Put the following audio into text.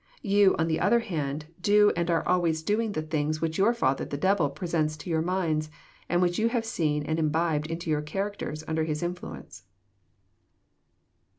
You, on the other hand, do and are always doing the things which your father the devil presents to your minds, and which you have seen and imbibed into your charac ters, under his influence."